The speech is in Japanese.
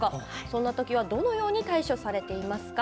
そんな時はどのように対処されていますか？